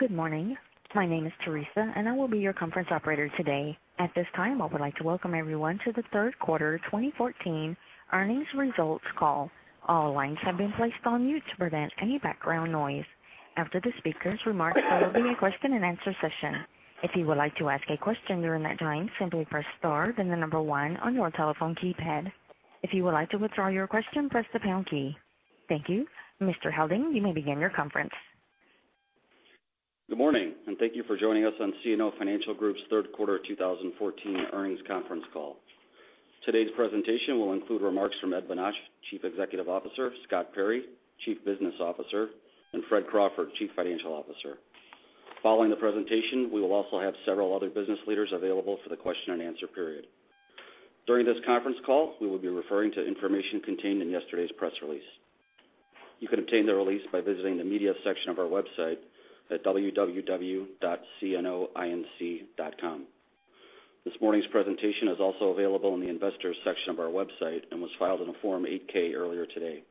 Good morning. My name is Theresa, and I will be your conference operator today. At this time, I would like to welcome everyone to the third quarter 2014 earnings results call. All lines have been placed on mute to prevent any background noise. After the speakers' remarks, there will be a question and answer session. If you would like to ask a question during that time, simply press star then the number one on your telephone keypad. If you would like to withdraw your question, press the pound key. Thank you. Mr. Helding, you may begin your conference. Good morning. Thank you for joining us on CNO Financial Group's third quarter 2014 earnings conference call. Today's presentation will include remarks from Ed Bonach, Chief Executive Officer, Scott Perry, Chief Business Officer, and Fred Crawford, Chief Financial Officer. Following the presentation, we will also have several other business leaders available for the question and answer period. During this conference call, we will be referring to information contained in yesterday's press release. You can obtain the release by visiting the media section of our website at www.cnoinc.com. This morning's presentation is also available in the investors section of our website and was filed in a Form 8-K earlier today.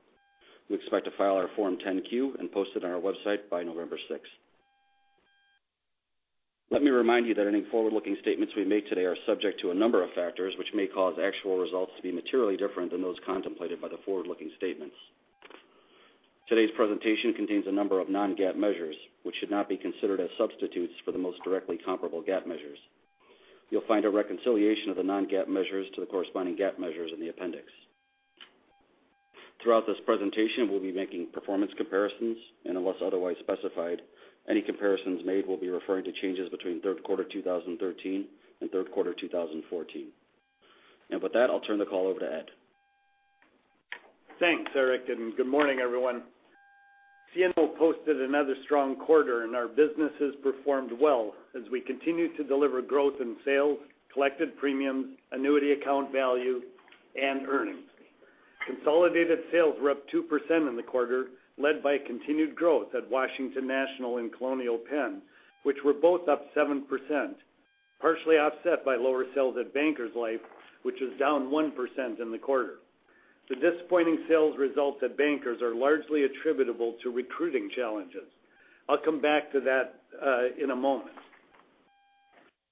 We expect to file our Form 10-Q and post it on our website by November 6th. Let me remind you that any forward-looking statements we make today are subject to a number of factors which may cause actual results to be materially different than those contemplated by the forward-looking statements. Today's presentation contains a number of non-GAAP measures, which should not be considered as substitutes for the most directly comparable GAAP measures. You'll find a reconciliation of the non-GAAP measures to the corresponding GAAP measures in the appendix. Throughout this presentation, we'll be making performance comparisons, unless otherwise specified, any comparisons made will be referring to changes between third quarter 2013 and third quarter 2014. With that, I'll turn the call over to Ed. Thanks, Erik. Good morning, everyone. CNO posted another strong quarter, and our businesses performed well as we continue to deliver growth in sales, collected premiums, annuity account value, and earnings. Consolidated sales were up 2% in the quarter, led by continued growth at Washington National and Colonial Penn, which were both up 7%, partially offset by lower sales at Bankers Life, which is down 1% in the quarter. The disappointing sales results at Bankers are largely attributable to recruiting challenges. I'll come back to that in a moment.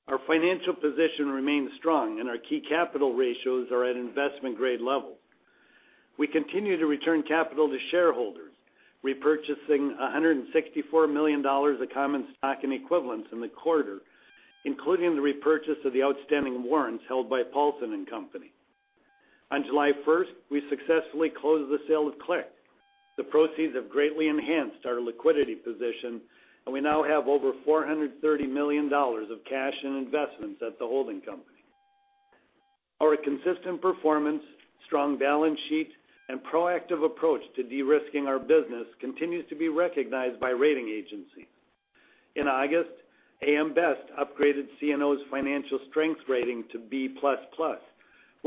Our financial position remains strong, and our key capital ratios are at investment-grade level. We continue to return capital to shareholders, repurchasing $164 million of common stock and equivalents in the quarter, including the repurchase of the outstanding warrants held by Paulson & Co. On July 1st, we successfully closed the sale of CLIC. The proceeds have greatly enhanced our liquidity position, and we now have over $430 million of cash and investments at the holding company. Our consistent performance, strong balance sheet, and proactive approach to de-risking our business continues to be recognized by rating agencies. In August, AM Best upgraded CNO's financial strength rating to B++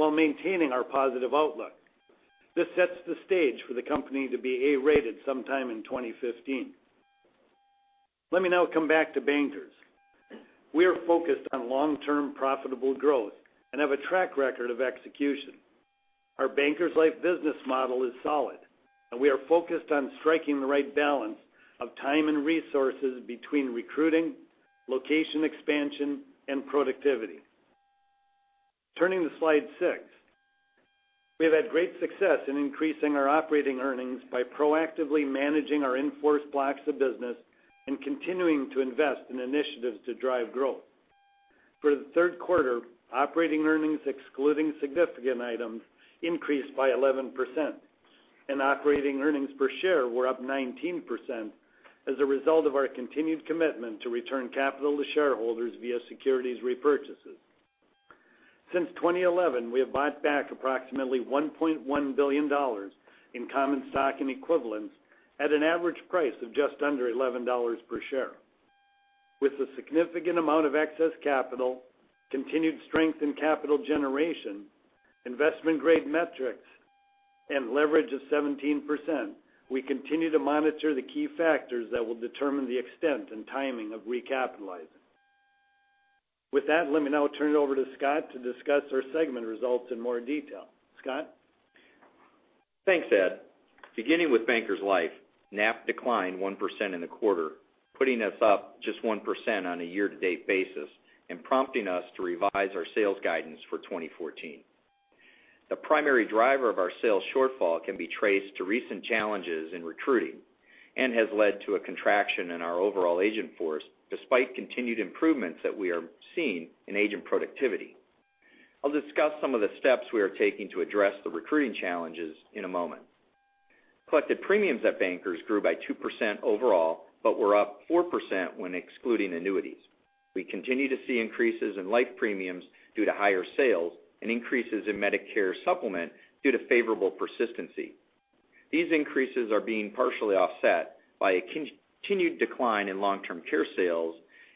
while maintaining our positive outlook. This sets the stage for the company to be A-rated sometime in 2015. Let me now come back to Bankers. We are focused on long-term profitable growth and have a track record of execution. Our Bankers Life business model is solid, and we are focused on striking the right balance of time and resources between recruiting, location expansion, and productivity. Turning to slide six. We have had great success in increasing our operating earnings by proactively managing our in-force blocks of business and continuing to invest in initiatives to drive growth. For the third quarter, operating earnings excluding significant items increased by 11%, and operating earnings per share were up 19% as a result of our continued commitment to return capital to shareholders via securities repurchases. Since 2011, we have bought back approximately $1.1 billion in common stock and equivalents at an average price of just under $11 per share. With a significant amount of excess capital, continued strength in capital generation, investment-grade metrics, and leverage of 17%, we continue to monitor the key factors that will determine the extent and timing of recapitalizing. With that, let me now turn it over to Scott to discuss our segment results in more detail. Scott? Thanks, Ed. Beginning with Bankers Life, NAP declined 1% in the quarter, putting us up just 1% on a year-to-date basis and prompting us to revise our sales guidance for 2014. The primary driver of our sales shortfall can be traced to recent challenges in recruiting and has led to a contraction in our overall agent force, despite continued improvements that we are seeing in agent productivity. I'll discuss some of the steps we are taking to address the recruiting challenges in a moment. Collected premiums at Bankers grew by 2% overall but were up 4% when excluding annuities. We continue to see increases in life premiums due to higher sales and increases in Medicare supplement due to favorable persistency. These increases are being partially offset by a continued decline in long-term care sales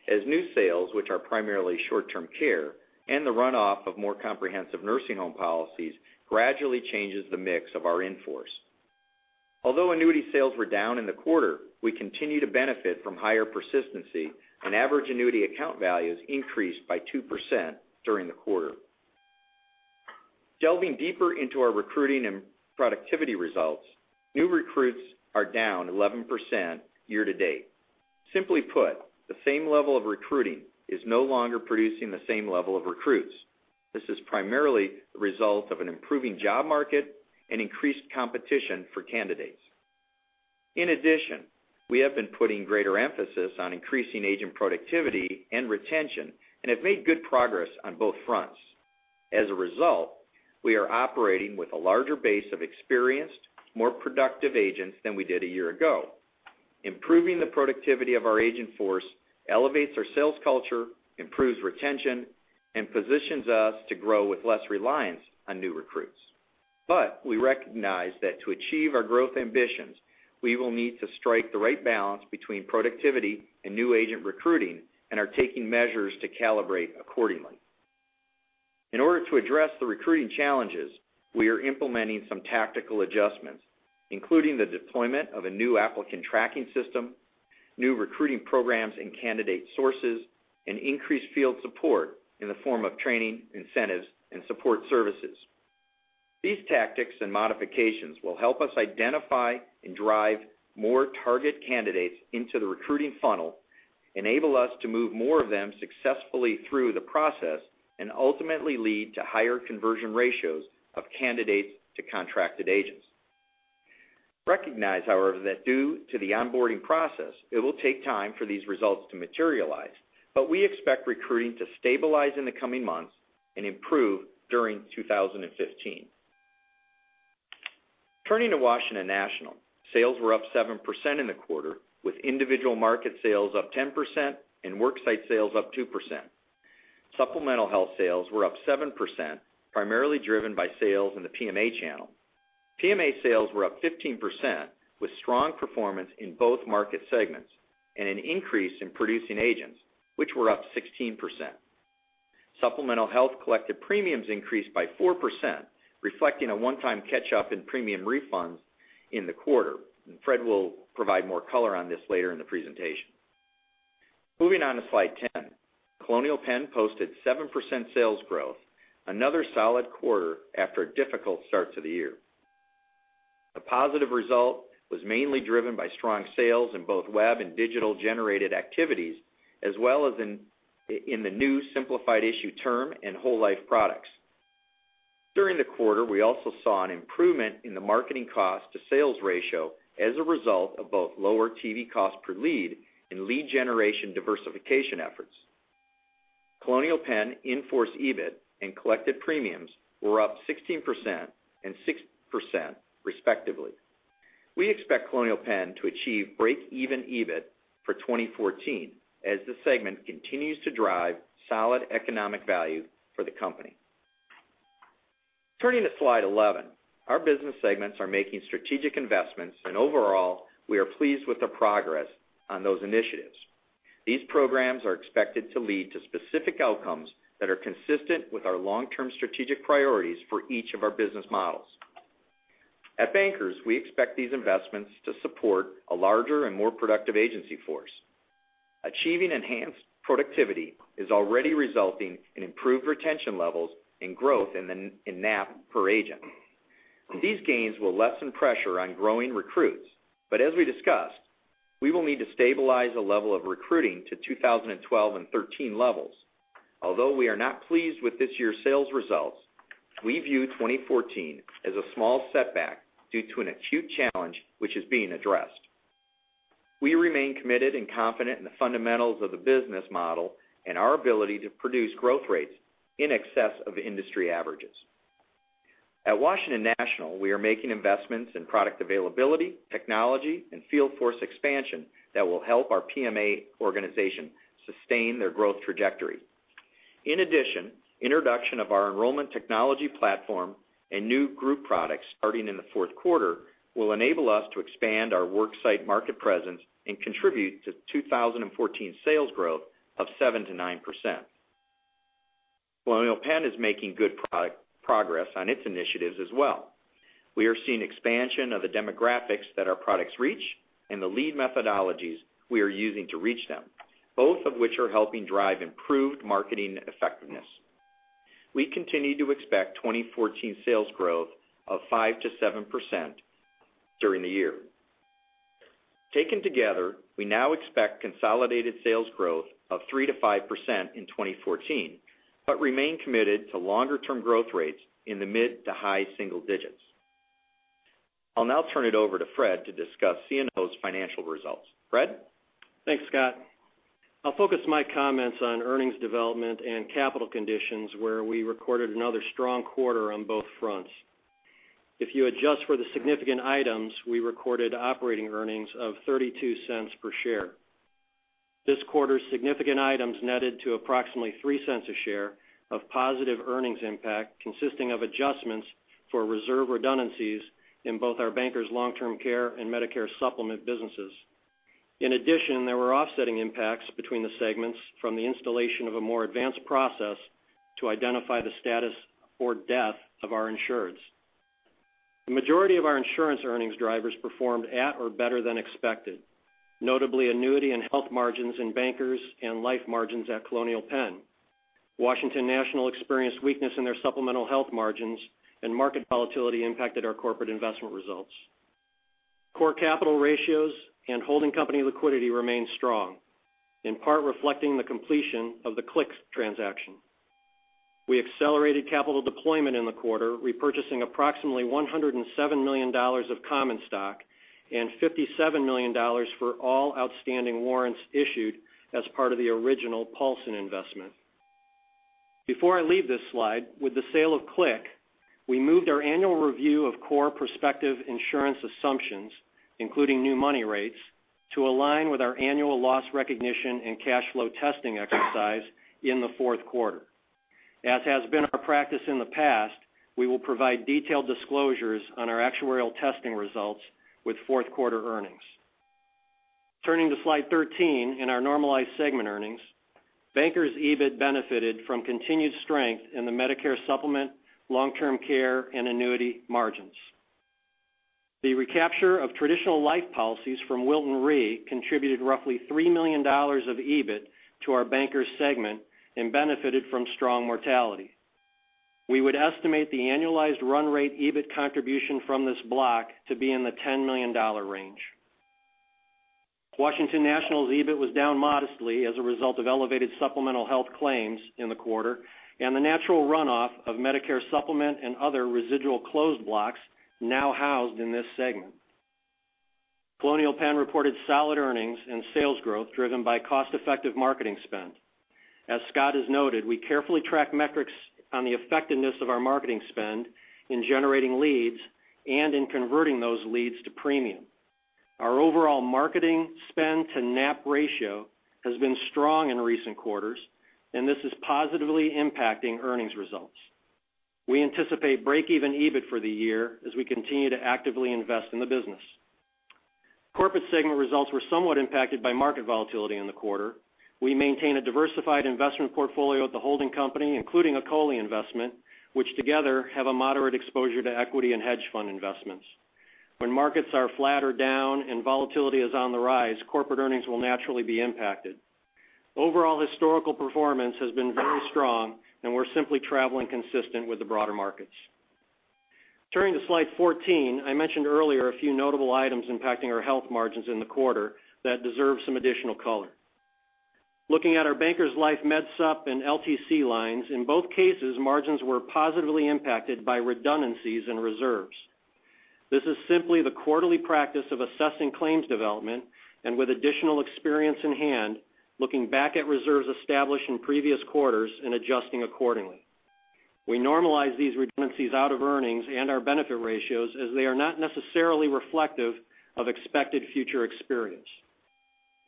as new sales, which are primarily short-term care, and the runoff of more comprehensive nursing home policies gradually changes the mix of our in-force. Although annuity sales were down in the quarter, we continue to benefit from higher persistency, and average annuity account values increased by 2% during the quarter. Delving deeper into our recruiting and productivity results, new recruits are down 11% year to date. Simply put, the same level of recruiting is no longer producing the same level of recruits. This is primarily the result of an improving job market and increased competition for candidates. In addition, we have been putting greater emphasis on increasing agent productivity and retention and have made good progress on both fronts. As a result, we are operating with a larger base of experienced, more productive agents than we did a year ago. Improving the productivity of our agent force elevates our sales culture, improves retention, and positions us to grow with less reliance on new recruits. We recognize that to achieve our growth ambitions, we will need to strike the right balance between productivity and new agent recruiting and are taking measures to calibrate accordingly. In order to address the recruiting challenges, we are implementing some tactical adjustments, including the deployment of a new applicant tracking system, new recruiting programs and candidate sources, and increased field support in the form of training, incentives, and support services. These tactics and modifications will help us identify and drive more target candidates into the recruiting funnel, enable us to move more of them successfully through the process, and ultimately lead to higher conversion ratios of candidates to contracted agents. Recognize, however, that due to the onboarding process, it will take time for these results to materialize, but we expect recruiting to stabilize in the coming months and improve during 2015. Turning to Washington National. Sales were up 7% in the quarter, with individual market sales up 10% and worksite sales up 2%. Supplemental health sales were up 7%, primarily driven by sales in the PMA channel. PMA sales were up 15%, with strong performance in both market segments, and an increase in producing agents, which were up 16%. Supplemental health collected premiums increased by 4%, reflecting a one-time catch-up in premium refunds in the quarter. Fred will provide more color on this later in the presentation. Moving on to slide 10. Colonial Penn posted 7% sales growth, another solid quarter after a difficult start to the year. A positive result was mainly driven by strong sales in both web and digital-generated activities, as well as in the new simplified issue term and whole life products. During the quarter, we also saw an improvement in the marketing cost to sales ratio as a result of both lower TV cost per lead and lead generation diversification efforts. Colonial Penn in-force EBIT and collected premiums were up 16% and 6%, respectively. We expect Colonial Penn to achieve break-even EBIT for 2014 as this segment continues to drive solid economic value for the company. Turning to slide 11. Our business segments are making strategic investments, and overall, we are pleased with the progress on those initiatives. These programs are expected to lead to specific outcomes that are consistent with our long-term strategic priorities for each of our business models. At Bankers, we expect these investments to support a larger and more productive agency force. Achieving enhanced productivity is already resulting in improved retention levels and growth in NAP per agent. These gains will lessen pressure on growing recruits, but as we discussed, we will need to stabilize the level of recruiting to 2012 and 2013 levels. Although we are not pleased with this year's sales results, we view 2014 as a small setback due to an acute challenge which is being addressed. We remain committed and confident in the fundamentals of the business model and our ability to produce growth rates in excess of industry averages. At Washington National, we are making investments in product availability, technology, and field force expansion that will help our PMA organization sustain their growth trajectory. In addition, introduction of our enrollment technology platform and new group products starting in the fourth quarter will enable us to expand our worksite market presence and contribute to 2014 sales growth of 7%-9%. Colonial Penn is making good progress on its initiatives as well. We are seeing expansion of the demographics that our products reach and the lead methodologies we are using to reach them, both of which are helping drive improved marketing effectiveness. We continue to expect 2014 sales growth of 5%-7% during the year. Taken together, we now expect consolidated sales growth of 3%-5% in 2014, but remain committed to longer-term growth rates in the mid to high single digits. I'll now turn it over to Fred to discuss CNO's financial results. Fred? Thanks, Scott. I'll focus my comments on earnings development and capital conditions, where we recorded another strong quarter on both fronts. If you adjust for the significant items, we recorded operating earnings of $0.32 per share. This quarter's significant items netted to approximately $0.03 a share of positive earnings impact, consisting of adjustments for reserve redundancies in both our Bankers Long-Term Care and Medicare Supplement businesses. In addition, there were offsetting impacts between the segments from the installation of a more advanced process to identify the status or death of our insureds. The majority of our insurance earnings drivers performed at or better than expected, notably annuity and health margins in Bankers and life margins at Colonial Penn. Washington National experienced weakness in their supplemental health margins, and market volatility impacted our corporate investment results. Core capital ratios and holding company liquidity remain strong, in part reflecting the completion of the CLIC transaction. We accelerated capital deployment in the quarter, repurchasing approximately $107 million of common stock and $57 million for all outstanding warrants issued as part of the original Paulson investment. Before I leave this slide, with the sale of CLIC, we moved our annual review of core prospective insurance assumptions, including new money rates, to align with our annual loss recognition and cash flow testing exercise in the fourth quarter. As has been our practice in the past, we will provide detailed disclosures on our actuarial testing results with fourth quarter earnings. Turning to slide 13 in our normalized segment earnings, Bankers' EBIT benefited from continued strength in the Medicare Supplement, long-term care, and annuity margins. The recapture of traditional life policies from Wilton Re contributed roughly $3 million of EBIT to our Bankers segment and benefited from strong mortality. We would estimate the annualized run rate EBIT contribution from this block to be in the $10 million range. Washington National's EBIT was down modestly as a result of elevated supplemental health claims in the quarter and the natural runoff of Medicare supplement and other residual closed blocks now housed in this segment. Colonial Penn reported solid earnings and sales growth driven by cost-effective marketing spend. As Scott has noted, we carefully track metrics on the effectiveness of our marketing spend in generating leads and in converting those leads to premium. Our overall marketing spend to NAP ratio has been strong in recent quarters, and this is positively impacting earnings results. We anticipate break-even EBIT for the year as we continue to actively invest in the business. Corporate segment results were somewhat impacted by market volatility in the quarter. We maintain a diversified investment portfolio at the holding company, including a COLI investment, which together have a moderate exposure to equity and hedge fund investments. When markets are flat or down and volatility is on the rise, corporate earnings will naturally be impacted. Overall historical performance has been very strong, and we're simply traveling consistent with the broader markets. Turning to slide 14, I mentioned earlier a few notable items impacting our health margins in the quarter that deserve some additional color. Looking at our Bankers Life med supp and LTC lines, in both cases, margins were positively impacted by redundancies in reserves. This is simply the quarterly practice of assessing claims development and with additional experience in hand, looking back at reserves established in previous quarters and adjusting accordingly. We normalize these redundancies out of earnings and our benefit ratios as they are not necessarily reflective of expected future experience.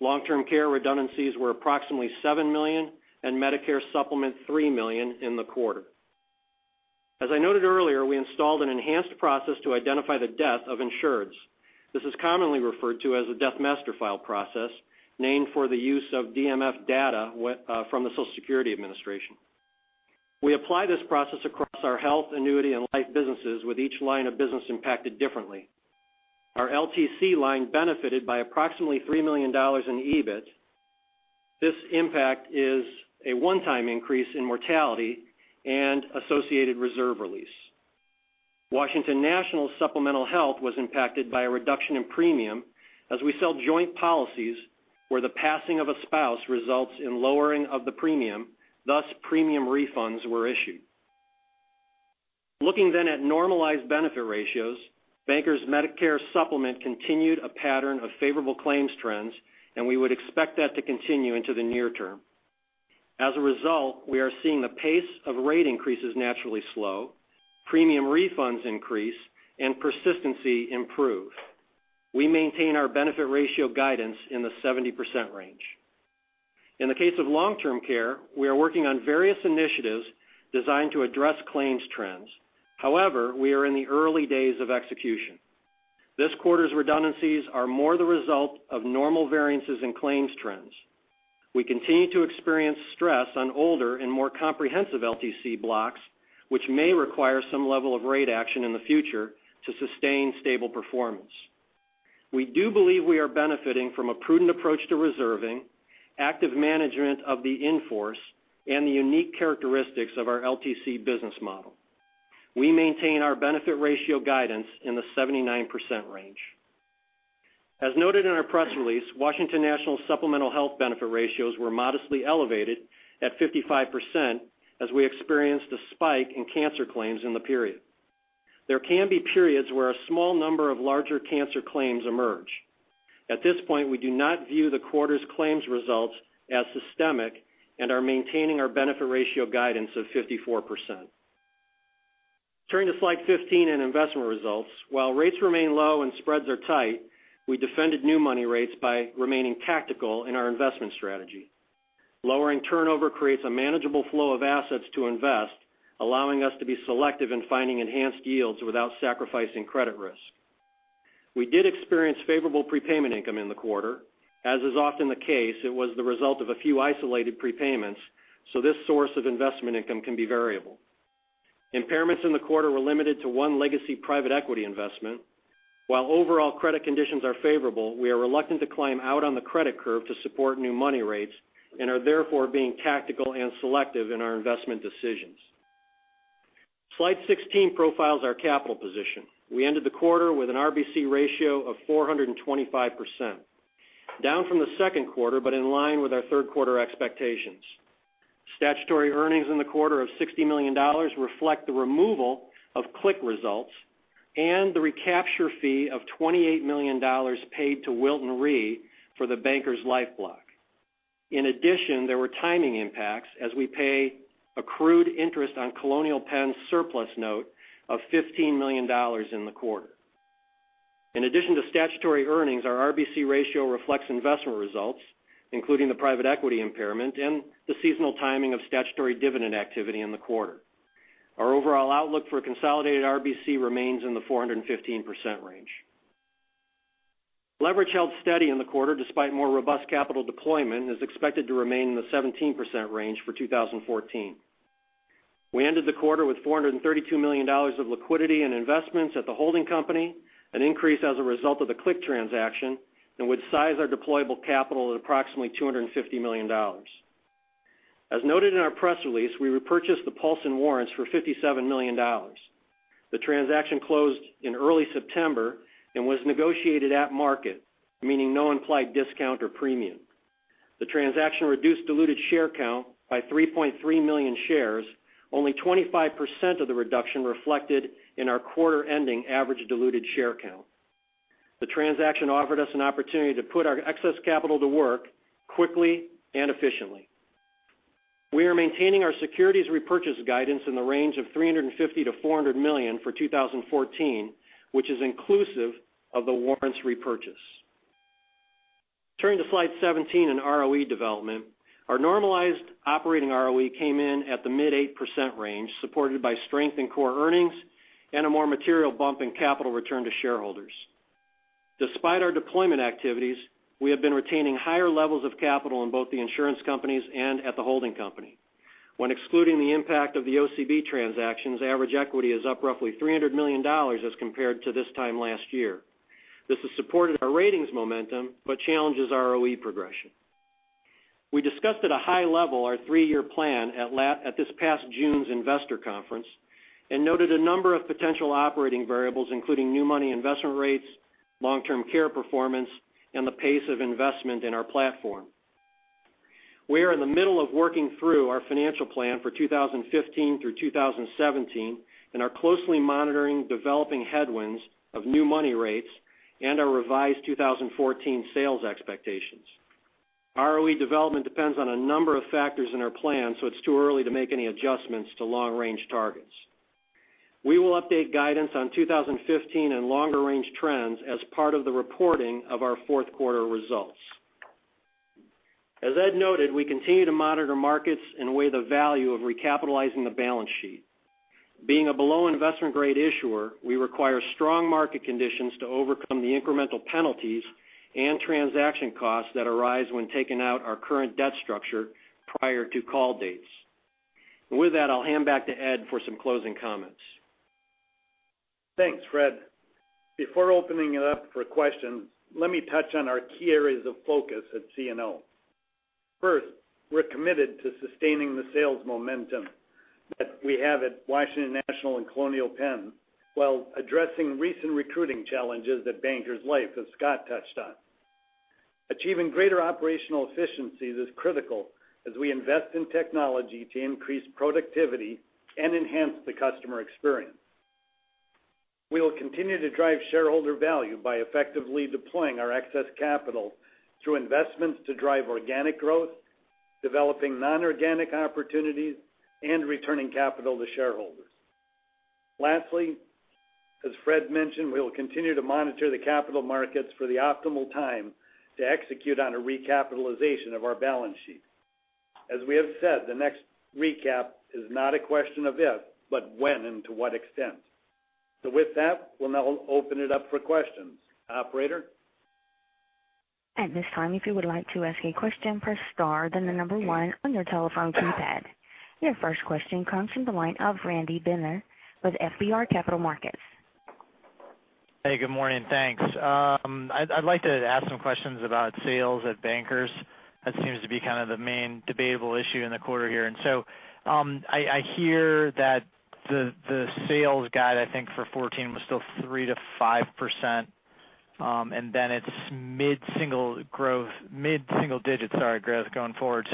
Long-term care redundancies were approximately $7 million and Medicare supplement $3 million in the quarter. As I noted earlier, I installed an enhanced process to identify the death of insureds. This is commonly referred to as a Death Master File process, named for the use of DMF data from the Social Security Administration. We apply this process across our health, annuity, and life businesses, with each line of business impacted differently. Our LTC line benefited by approximately $3 million in EBIT. This impact is a one-time increase in mortality and associated reserve release. Washington National supplemental health was impacted by a reduction in premium as we sell joint policies where the passing of a spouse results in lowering of the premium, thus premium refunds were issued. Looking then at normalized benefit ratios, Bankers Medicare supplement continued a pattern of favorable claims trends, and we would expect that to continue into the near term. As a result, we are seeing the pace of rate increases naturally slow, premium refunds increase, and persistency improve. We maintain our benefit ratio guidance in the 70% range. In the case of long-term care, we are working on various initiatives designed to address claims trends. However, we are in the early days of execution. This quarter's redundancies are more the result of normal variances in claims trends. We continue to experience stress on older and more comprehensive LTC blocks, which may require some level of rate action in the future to sustain stable performance. We do believe we are benefiting from a prudent approach to reserving, active management of the in-force, and the unique characteristics of our LTC business model. We maintain our benefit ratio guidance in the 79% range. As noted in our press release, Washington National supplemental health benefit ratios were modestly elevated at 55% as we experienced a spike in cancer claims in the period. There can be periods where a small number of larger cancer claims emerge. At this point, we do not view the quarter's claims results as systemic and are maintaining our benefit ratio guidance of 54%. Turning to slide 15 in investment results. While rates remain low and spreads are tight, we defended new money rates by remaining tactical in our investment strategy. Lowering turnover creates a manageable flow of assets to invest, allowing us to be selective in finding enhanced yields without sacrificing credit risk. We did experience favorable prepayment income in the quarter. As is often the case, it was the result of a few isolated prepayments, so this source of investment income can be variable. Impairments in the quarter were limited to one legacy private equity investment. While overall credit conditions are favorable, we are reluctant to climb out on the credit curve to support new money rates and are therefore being tactical and selective in our investment decisions. Slide 16 profiles our capital position. We ended the quarter with an RBC ratio of 425%, down from the second quarter, but in line with our third quarter expectations. Statutory earnings in the quarter of $60 million reflect the removal of CLIC results and the recapture fee of $28 million paid to Wilton Re for the Bankers Life block. In addition, there were timing impacts as we pay accrued interest on Colonial Penn's surplus note of $15 million in the quarter. In addition to statutory earnings, our RBC ratio reflects investment results, including the private equity impairment and the seasonal timing of statutory dividend activity in the quarter. Our overall outlook for consolidated RBC remains in the 415% range. Leverage held steady in the quarter despite more robust capital deployment, is expected to remain in the 17% range for 2014. We ended the quarter with $432 million of liquidity and investments at the holding company, an increase as a result of the CLIC transaction, and which size our deployable capital at approximately $250 million. As noted in our press release, we repurchased the Paulson warrants for $57 million. The transaction closed in early September and was negotiated at market, meaning no implied discount or premium. The transaction reduced diluted share count by 3.3 million shares, only 25% of the reduction reflected in our quarter-ending average diluted share count. The transaction offered us an opportunity to put our excess capital to work quickly and efficiently. We are maintaining our securities repurchase guidance in the range of $350 million-$400 million for 2014, which is inclusive of the warrants repurchase. Turning to slide 17 and ROE development, our normalized operating ROE came in at the mid 8% range, supported by strength in core earnings and a more material bump in capital return to shareholders. Despite our deployment activities, we have been retaining higher levels of capital in both the insurance companies and at the holding company. When excluding the impact of the OCB transactions, average equity is up roughly $300 million as compared to this time last year. This has supported our ratings momentum but challenges ROE progression. We discussed at a high level our three-year plan at this past June's investor conference and noted a number of potential operating variables, including new money investment rates, long-term care performance, and the pace of investment in our platform. We are in the middle of working through our financial plan for 2015 through 2017 and are closely monitoring developing headwinds of new money rates and our revised 2014 sales expectations. ROE development depends on a number of factors in our plan, so it's too early to make any adjustments to long-range targets. We will update guidance on 2015 and longer-range trends as part of the reporting of our fourth quarter results. As Ed noted, we continue to monitor markets and weigh the value of recapitalizing the balance sheet. Being a below investment-grade issuer, we require strong market conditions to overcome the incremental penalties and transaction costs that arise when taking out our current debt structure prior to call dates. With that, I'll hand back to Ed for some closing comments. Thanks, Fred. Before opening it up for questions, let me touch on our key areas of focus at CNO. First, we're committed to sustaining the sales momentum that we have at Washington National and Colonial Penn while addressing recent recruiting challenges at Bankers Life, as Scott touched on. Achieving greater operational efficiencies is critical as we invest in technology to increase productivity and enhance the customer experience. We will continue to drive shareholder value by effectively deploying our excess capital through investments to drive organic growth, developing non-organic opportunities, and returning capital to shareholders. Lastly, as Fred mentioned, we will continue to monitor the capital markets for the optimal time to execute on a recapitalization of our balance sheet. As we have said, the next recap is not a question of if, but when and to what extent. With that, we'll now open it up for questions. Operator? At this time, if you would like to ask a question, press star, then the number 1 on your telephone keypad. Your first question comes from the line of Randy Binner with FBR Capital Markets. Hey, good morning. Thanks. I'd like to ask some questions about sales at Bankers. That seems to be kind of the main debatable issue in the quarter here. I hear that the sales guide, I think for 2014 was still 3%-5%, and then it's mid-single digits growth going forward.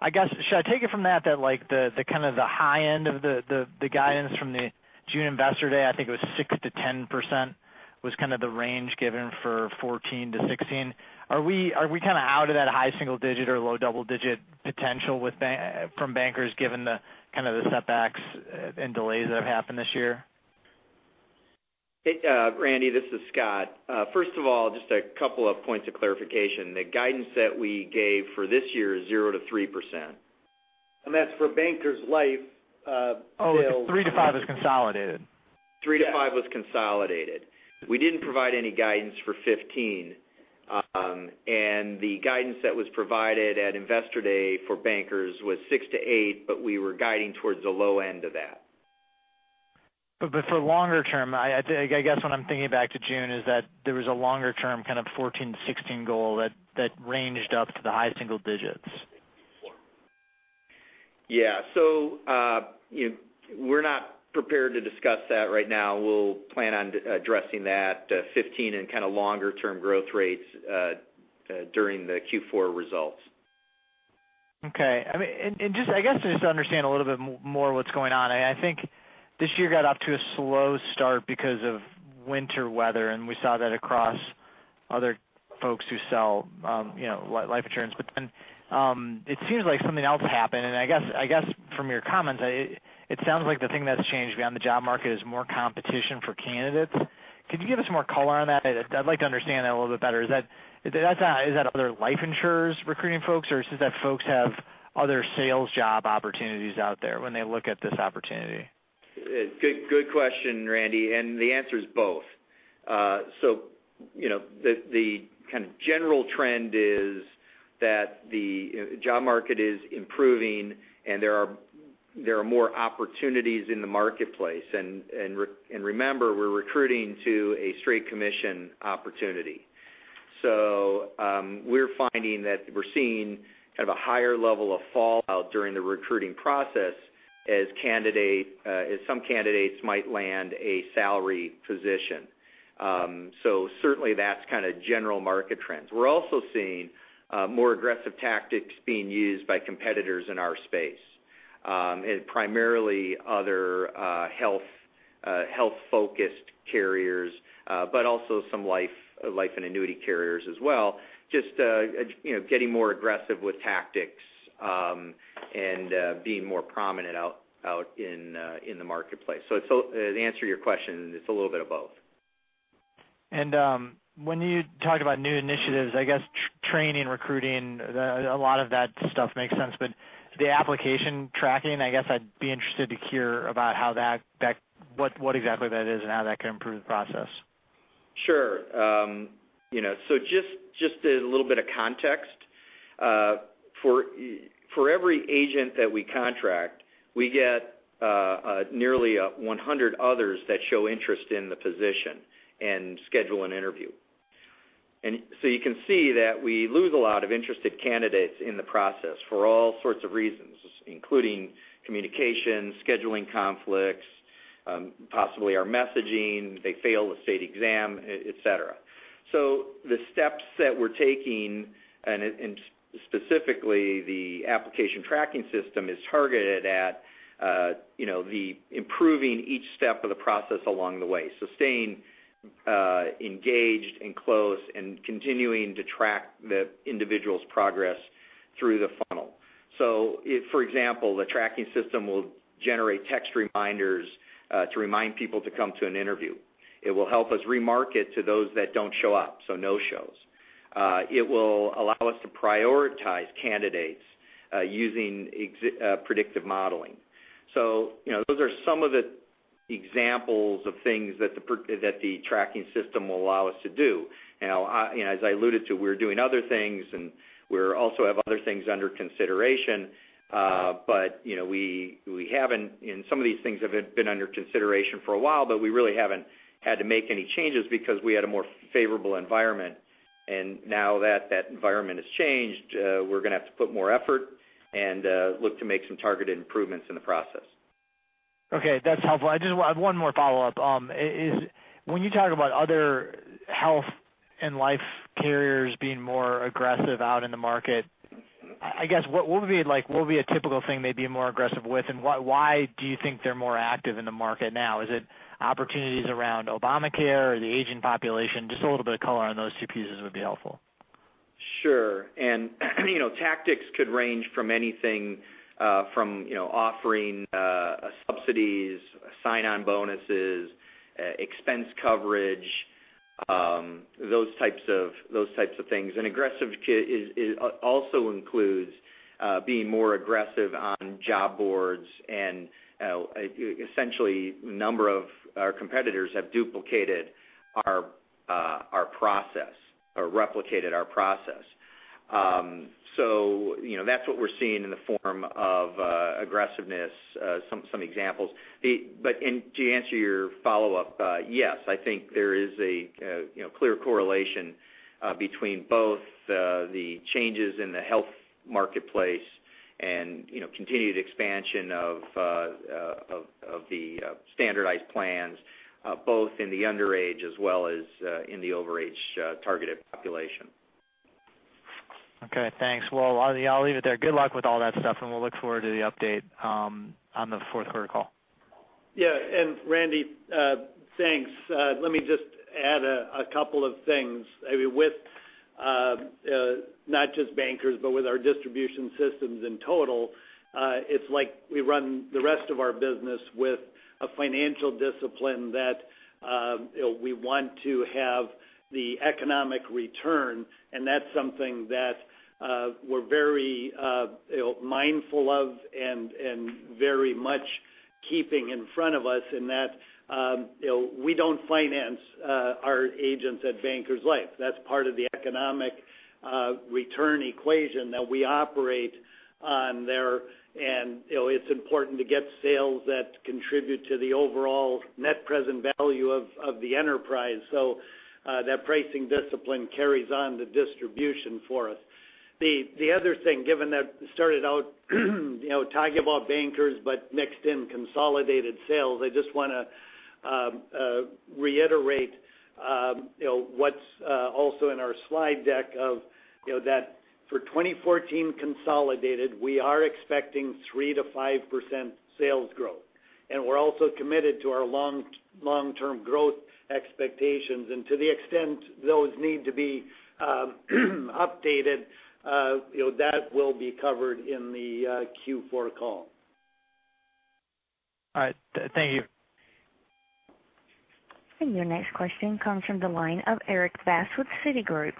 I guess, should I take it from that like the kind of the high end of the guidance from the June investor day, I think it was 6%-10% was kind of the range given for 2014-2016. Are we kind of out of that high single digit or low double digit potential from Bankers given the kind of the setbacks and delays that have happened this year? Hey, Randy, this is Scott. First of all, just a couple of points of clarification. The guidance that we gave for this year is 0%-3%. That's for Bankers Life sales. Oh, 3%-5% is consolidated. three to five was consolidated. We didn't provide any guidance for 2015. The guidance that was provided at Investor Day for Bankers was six to eight, but we were guiding towards the low end of that. For longer term, I guess what I'm thinking back to June is that there was a longer-term kind of 14 to 16 goal that ranged up to the high single digits. We're not prepared to discuss that right now. We'll plan on addressing that 2015 and kind of longer-term growth rates during the Q4 results. I guess just to understand a little bit more what's going on. I think this year got off to a slow start because of winter weather. We saw that across other folks who sell life insurance. It seems like something else happened. I guess from your comments, it sounds like the thing that's changed beyond the job market is more competition for candidates. Could you give us more color on that? I'd like to understand that a little bit better. Is that other life insurers recruiting folks, or is it that folks have other sales job opportunities out there when they look at this opportunity? Good question, Randy. The answer is both. The kind of general trend is that the job market is improving, and there are more opportunities in the marketplace. Remember, we're recruiting to a straight commission opportunity. We're finding that we're seeing kind of a higher level of fallout during the recruiting process as some candidates might land a salary position. Certainly, that's kind of general market trends. We're also seeing more aggressive tactics being used by competitors in our space, and primarily other health-focused carriers, but also some life and annuity carriers as well, just getting more aggressive with tactics and being more prominent out in the marketplace. To answer your question, it's a little bit of both. When you talk about new initiatives, I guess training, recruiting, a lot of that stuff makes sense. The application tracking, I guess I'd be interested to hear about what exactly that is and how that can improve the process. Sure. Just a little bit of context. For every agent that we contract, we get nearly 100 others that show interest in the position and schedule an interview. You can see that we lose a lot of interested candidates in the process for all sorts of reasons, including communication, scheduling conflicts, possibly our messaging, they fail the state exam, et cetera. The steps that we're taking, and specifically the application tracking system, is targeted at improving each step of the process along the way. Staying engaged and close and continuing to track the individual's progress through the funnel. For example, the tracking system will generate text reminders to remind people to come to an interview. It will help us remarket to those that don't show up, no-shows. It will allow us to prioritize candidates using predictive modeling. Those are some of the examples of things that the tracking system will allow us to do. As I alluded to, we're doing other things, and we also have other things under consideration. Some of these things have been under consideration for a while, but we really haven't had to make any changes because we had a more favorable environment. Now that that environment has changed, we're going to have to put more effort and look to make some targeted improvements in the process. Okay, that's helpful. I just have one more follow-up. When you talk about other health and life carriers being more aggressive out in the market, I guess what would be a typical thing they'd be more aggressive with, and why do you think they're more active in the market now? Is it opportunities around Obamacare or the aging population? Just a little bit of color on those two pieces would be helpful. Sure. Tactics could range from anything from offering subsidies, sign-on bonuses, expense coverage, those types of things. Aggressive also includes being more aggressive on job boards. Essentially, a number of our competitors have duplicated our process or replicated our process. That's what we're seeing in the form of aggressiveness, some examples. To answer your follow-up, yes, I think there is a clear correlation between both the changes in the health marketplace and continued expansion of the standardized plans, both in the underage as well as in the overage targeted population. Okay, thanks. Well, I'll leave it there. Good luck with all that stuff, and we'll look forward to the update on the fourth quarter call. Yeah. Randy, thanks. Let me just add a couple of things. With not just Bankers, but with our distribution systems in total, it's like we run the rest of our business with a financial discipline that we want to have the economic return, and that's something that we're very mindful of and very much Keeping in front of us in that we don't finance our agents at Bankers Life. That's part of the economic return equation that we operate on there. It's important to get sales that contribute to the overall net present value of the enterprise. That pricing discipline carries on the distribution for us. The other thing, given that started out talking about Bankers, but mixed in consolidated sales, I just want to reiterate what's also in our slide deck of that for 2014 consolidated, we are expecting 3%-5% sales growth. We're also committed to our long-term growth expectations. To the extent those need to be updated, that will be covered in the Q4 call. All right. Thank you. Your next question comes from the line of Erik Bass with Citigroup.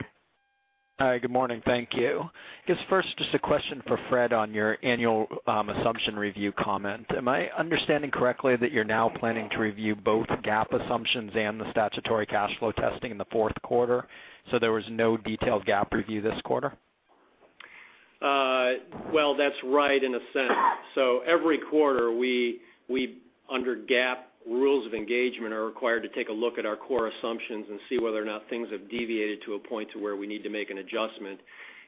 Hi, good morning. Thank you. I guess first, just a question for Fred on your annual assumption review comment. Am I understanding correctly that you're now planning to review both GAAP assumptions and the statutory cash flow testing in the fourth quarter, so there was no detailed GAAP review this quarter? Well, that's right in a sense. Every quarter, we, under GAAP rules of engagement, are required to take a look at our core assumptions and see whether or not things have deviated to a point to where we need to make an adjustment.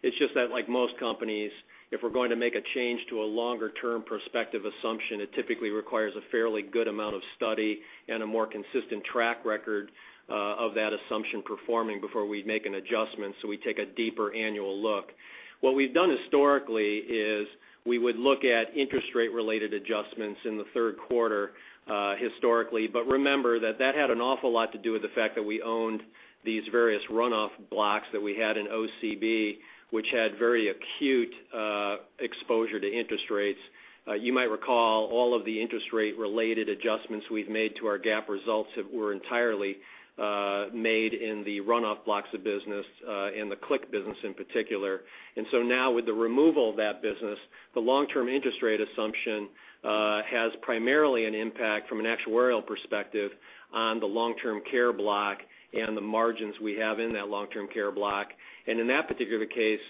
It's just that, like most companies, if we're going to make a change to a longer-term perspective assumption, it typically requires a fairly good amount of study and a more consistent track record of that assumption performing before we'd make an adjustment, so we take a deeper annual look. What we've done historically is we would look at interest rate-related adjustments in the third quarter, historically. Remember that had an awful lot to do with the fact that we owned these various runoff blocks that we had in OCB, which had very acute exposure to interest rates. You might recall all of the interest rate-related adjustments we've made to our GAAP results that were entirely made in the runoff blocks of business, in the CLIC business in particular. Now with the removal of that business, the long-term interest rate assumption has primarily an impact from an actuarial perspective on the long-term care block and the margins we have in that long-term care block. In that particular case,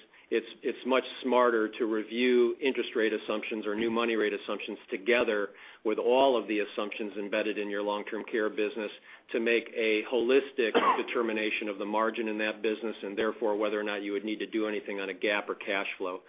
it's much smarter to review interest rate assumptions or new money rate assumptions together with all of the assumptions embedded in your long-term care business to make a holistic determination of the margin in that business, and therefore, whether or not you would need to do anything on a GAAP or cash flow.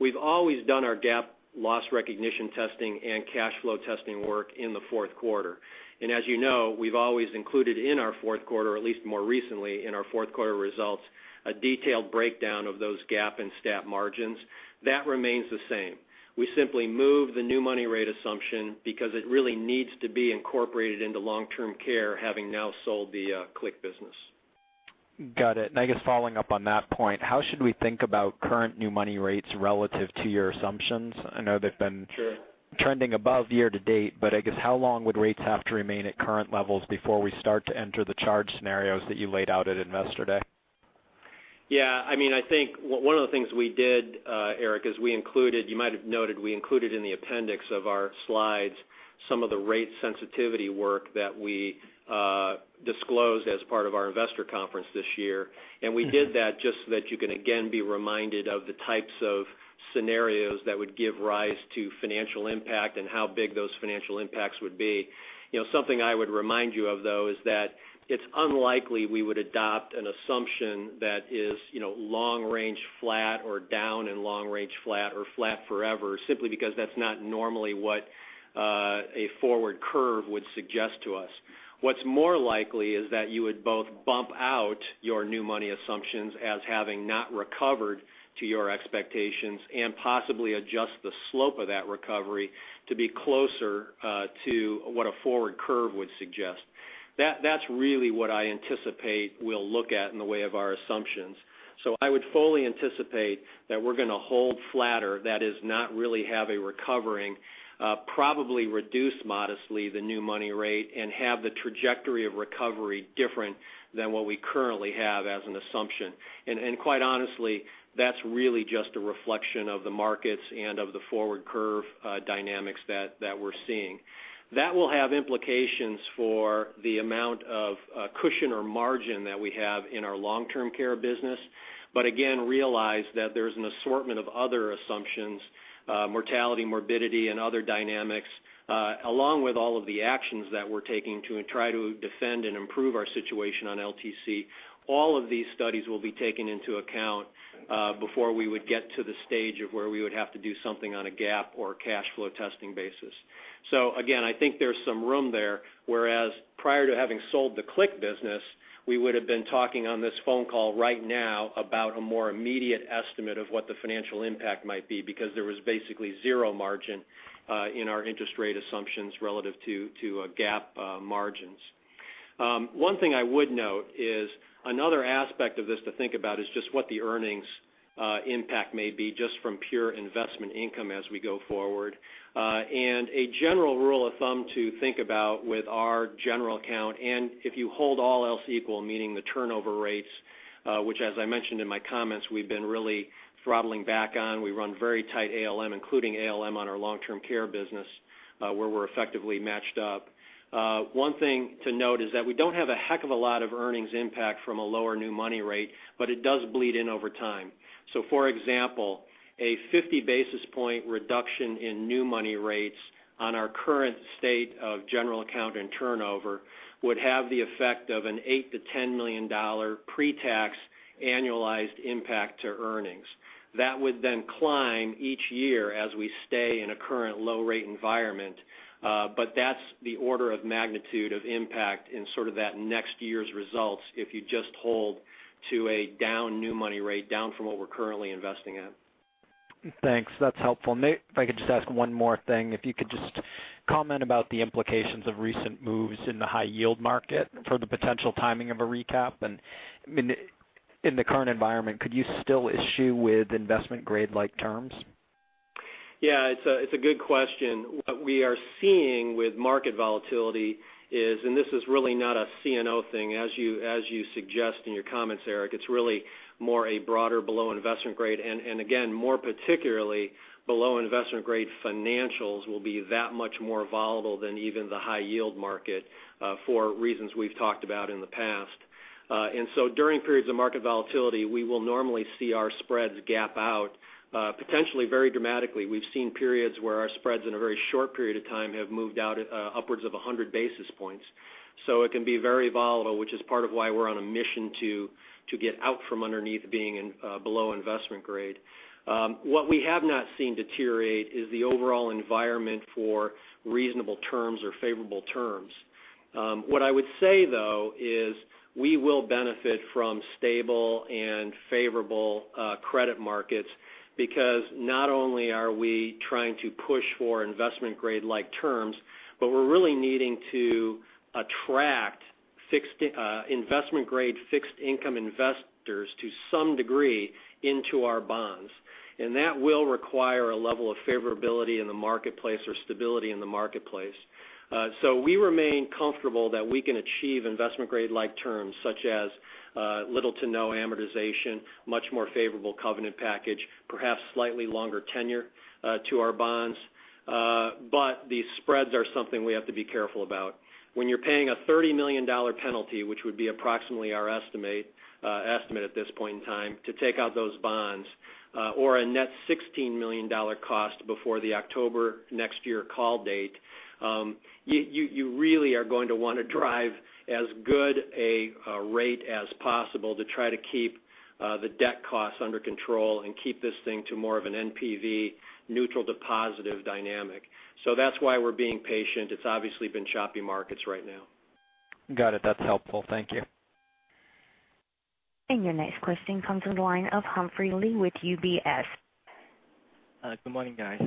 We've always done our GAAP loss recognition testing and cash flow testing work in the fourth quarter. As you know, we've always included in our fourth quarter, at least more recently in our fourth quarter results, a detailed breakdown of those GAAP and stat margins. That remains the same. We simply move the new money rate assumption because it really needs to be incorporated into long-term care, having now sold the CLIC business. Got it. I guess following up on that point, how should we think about current new money rates relative to your assumptions? I know they've been- Sure trending above year-to-date. I guess, how long would rates have to remain at current levels before we start to enter the charge scenarios that you laid out at Investor Day? Yeah. I think one of the things we did, Erik, is we included, you might have noted, we included in the appendix of our slides some of the rate sensitivity work that we disclosed as part of our investor conference this year. We did that just so that you can again be reminded of the types of scenarios that would give rise to financial impact and how big those financial impacts would be. Something I would remind you of, though, is that it's unlikely we would adopt an assumption that is long-range flat or down and long-range flat or flat forever, simply because that's not normally what a forward curve would suggest to us. What's more likely is that you would both bump out your new money assumptions as having not recovered to your expectations and possibly adjust the slope of that recovery to be closer to what a forward curve would suggest. That's really what I anticipate we'll look at in the way of our assumptions. I would fully anticipate that we're going to hold flatter, that is not really have a recovering, probably reduce modestly the new money rate and have the trajectory of recovery different than what we currently have as an assumption. Quite honestly, that's really just a reflection of the markets and of the forward curve dynamics that we're seeing. That will have implications for the amount of cushion or margin that we have in our long-term care business. Again, realize that there's an assortment of other assumptions, mortality, morbidity, and other dynamics, along with all of the actions that we're taking to try to defend and improve our situation on LTC. All of these studies will be taken into account before we would get to the stage of where we would have to do something on a GAAP or a cash flow testing basis. Again, I think there's some room there, whereas prior to having sold the CLIC business, we would have been talking on this phone call right now about a more immediate estimate of what the financial impact might be because there was basically zero margin in our interest rate assumptions relative to GAAP margins. One thing I would note is another aspect of this to think about is just what the earnings impact may be just from pure investment income as we go forward. A general rule of thumb to think about with our general account, if you hold all else equal, meaning the turnover rates, which as I mentioned in my comments, we've been really throttling back on. We run very tight ALM, including ALM on our long-term care business. Where we're effectively matched up. One thing to note is that we don't have a heck of a lot of earnings impact from a lower new money rate, it does bleed in over time. For example, a 50 basis point reduction in new money rates on our current state of general account and turnover would have the effect of an $8 million-$10 million pre-tax annualized impact to earnings. That would climb each year as we stay in a current low-rate environment. That's the order of magnitude of impact in sort of that next year's results if you just hold to a down new money rate, down from what we're currently investing in. Thanks. That's helpful. If I could just ask one more thing, if you could just comment about the implications of recent moves in the high yield market for the potential timing of a recap. In the current environment, could you still issue with investment grade-like terms? Yeah, it's a good question. What we are seeing with market volatility is, and this is really not a CNO thing, as you suggest in your comments, Erik, it's really more a broader below investment grade. Again, more particularly, below investment grade financials will be that much more volatile than even the high yield market, for reasons we've talked about in the past. During periods of market volatility, we will normally see our spreads gap out, potentially very dramatically. We've seen periods where our spreads in a very short period of time have moved out upwards of 100 basis points. It can be very volatile, which is part of why we're on a mission to get out from underneath being below investment grade. What we have not seen deteriorate is the overall environment for reasonable terms or favorable terms. What I would say, though, is we will benefit from stable and favorable credit markets because not only are we trying to push for investment grade-like terms, but we're really needing to attract investment grade fixed income investors to some degree into our bonds. That will require a level of favorability in the marketplace or stability in the marketplace. We remain comfortable that we can achieve investment grade-like terms such as little to no amortization, much more favorable covenant package, perhaps slightly longer tenure to our bonds. The spreads are something we have to be careful about. When you're paying a $30 million penalty, which would be approximately our estimate at this point in time to take out those bonds, or a net $16 million cost before the October next year call date, you really are going to want to drive as good a rate as possible to try to keep the debt costs under control and keep this thing to more of an NPV neutral to positive dynamic. That's why we're being patient. It's obviously been choppy markets right now. Got it. That's helpful. Thank you. Your next question comes from the line of Humphrey Lee with UBS. Good morning, guys.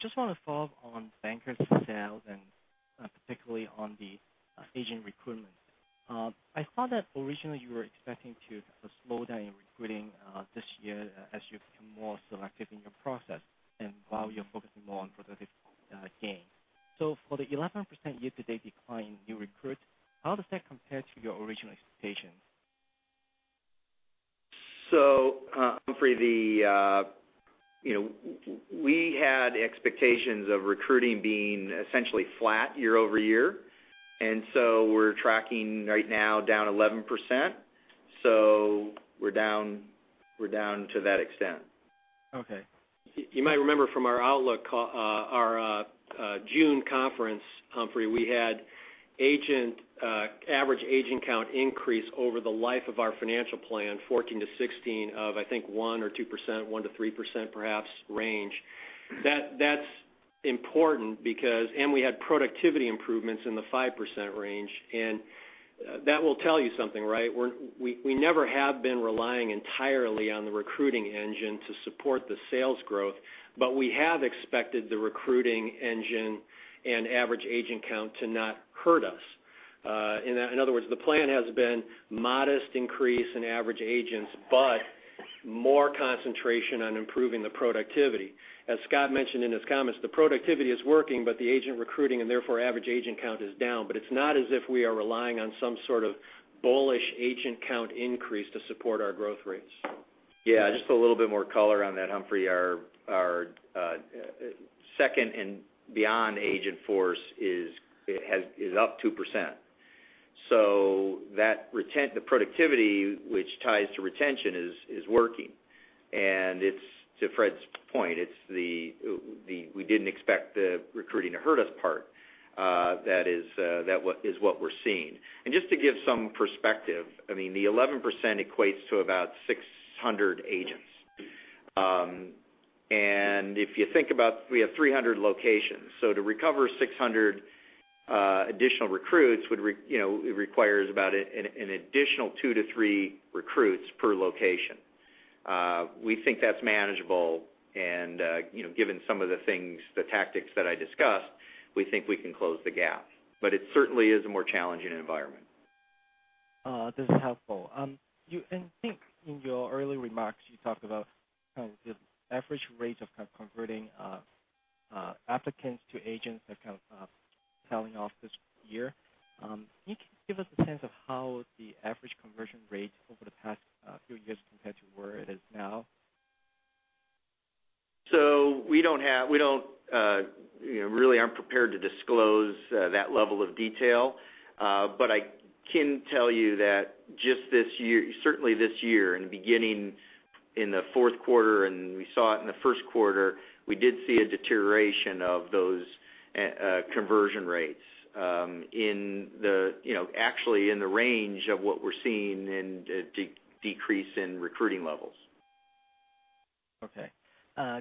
Just want to follow up on Bankers sales and particularly on the agent recruitment. I saw that originally you were expecting to slow down your recruiting this year as you become more selective in your process and while you're focusing more on productivity gain. For the 11% year-to-date decline in new recruits, how does that compare to your original expectations? Humphrey, we had expectations of recruiting being essentially flat year-over-year. We're tracking right now down 11%. We're down to that extent. Okay. You might remember from our June conference, Humphrey, we had average agent count increase over the life of our financial plan, 14 to 16 of, I think, 1% or 2%, 1%-3%, perhaps, range. That's important because we had productivity improvements in the 5% range. That will tell you something, right? We never have been relying entirely on the recruiting engine to support the sales growth, but we have expected the recruiting engine and average agent count to not hurt us. In other words, the plan has been modest increase in average agents, but more concentration on improving the productivity. As Scott mentioned in his comments, the productivity is working, but the agent recruiting and therefore average agent count is down. It's not as if we are relying on some sort of bullish agent count increase to support our growth rates. Yeah, just a little bit more color on that, Humphrey. Our second and beyond agent force is up 2%. The productivity which ties to retention is working. To Fred's point, we didn't expect the recruiting to hurt us part. That is what we're seeing. Just to give some perspective, the 11% equates to about 600 agents. If you think about, we have 300 locations. To recover 600 additional recruits, it requires about an additional two to three recruits per location. We think that's manageable. Given some of the things, the tactics that I discussed, we think we can close the gap. It certainly is a more challenging environment. This is helpful. I think in your early remarks, you talked about the average rate of converting applicants to agents that kind of tailing off this year. Can you give us a sense of how the average conversion rate over the past few years compared to where it is now? We really aren't prepared to disclose that level of detail. I can tell you that just this year, certainly this year, in the beginning in the fourth quarter, and we saw it in the first quarter, we did see a deterioration of those conversion rates actually in the range of what we're seeing in decrease in recruiting levels. Okay.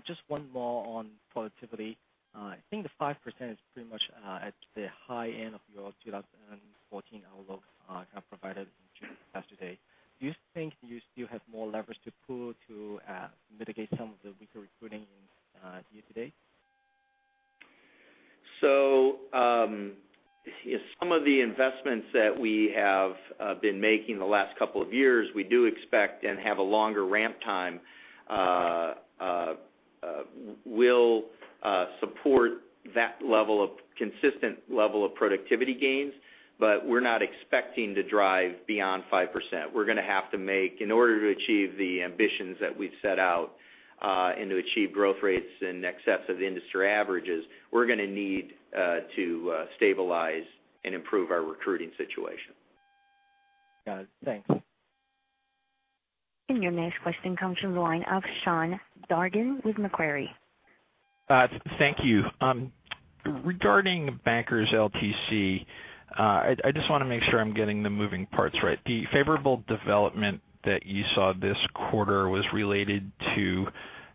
Just one more on productivity. I think the 5% is pretty much at the high end of your 2014 outlook kind of provided in June of yesterday. Do you think you still have more leverage to pull to mitigate some of the weaker recruiting in view today? Some of the investments that we have been making the last couple of years, we do expect and have a longer ramp time, will support that consistent level of productivity gains, we're not expecting to drive beyond 5%. We're going to have to make, in order to achieve the ambitions that we've set out, and to achieve growth rates in excess of industry averages, we're going to need to stabilize and improve our recruiting situation. Got it. Thanks. Your next question comes from the line of Sean Dargan with Macquarie. Thank you. Regarding Bankers LTC, I just want to make sure I'm getting the moving parts right. The favorable development that you saw this quarter was related to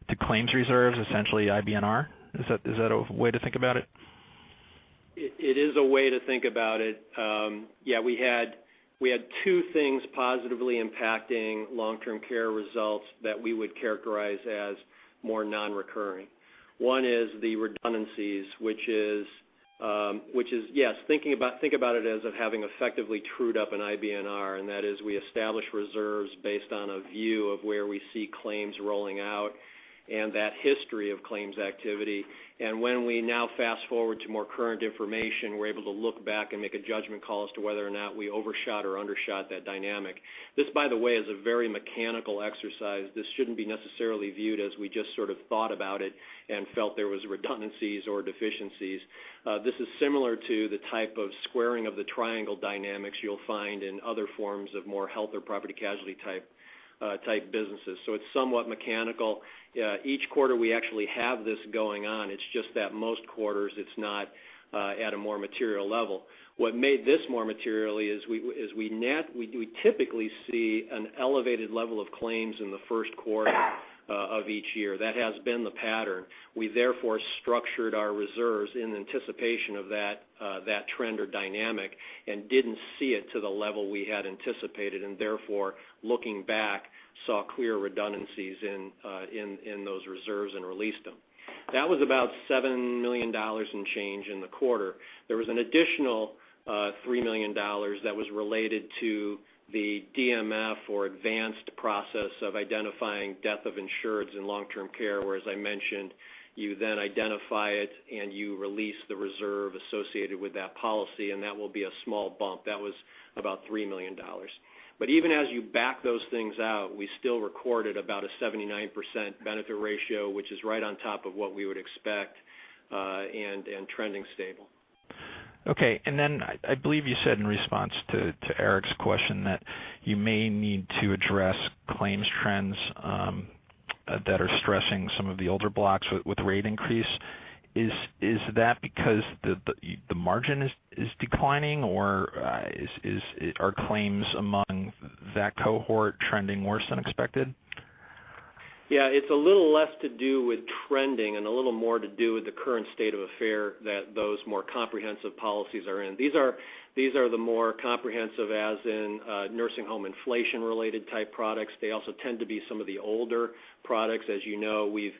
the claims reserves, essentially IBNR. Is that a way to think about it? It is a way to think about it. Yeah, we had two things positively impacting long-term care results that we would characterize as more non-recurring. One is the redundancies, which is, yes, think about it as of having effectively trued up an IBNR, and that is we establish reserves based on a view of where we see claims rolling out, and that history of claims activity. When we now fast-forward to more current information, we're able to look back and make a judgment call as to whether or not we overshot or undershot that dynamic. This, by the way, is a very mechanical exercise. This shouldn't be necessarily viewed as we just sort of thought about it and felt there was redundancies or deficiencies. This is similar to the type of squaring of the triangle dynamics you'll find in other forms of more health or property casualty type businesses. It's somewhat mechanical. Each quarter, we actually have this going on. It's just that most quarters, it's not at a more material level. What made this more material is we typically see an elevated level of claims in the first quarter of each year. That has been the pattern. We therefore structured our reserves in anticipation of that trend or dynamic and didn't see it to the level we had anticipated, and therefore, looking back, saw clear redundancies in those reserves and released them. That was about $7 million in change in the quarter. There was an additional $3 million that was related to the DMF or advanced process of identifying death of insureds in long-term care, where, as I mentioned, you then identify it, and you release the reserve associated with that policy, and that will be a small bump. That was about $3 million. Even as you back those things out, we still recorded about a 79% benefit ratio, which is right on top of what we would expect, and trending stable. Okay. I believe you said in response to Erik's question that you may need to address claims trends that are stressing some of the older blocks with rate increase. Is that because the margin is declining, or are claims among that cohort trending worse than expected? Yeah, it's a little less to do with trending and a little more to do with the current state of affairs that those more comprehensive policies are in. These are the more comprehensive as in nursing home inflation related type products. They also tend to be some of the older products. As you know, we've